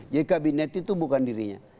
jadi kabinet itu bukan dirinya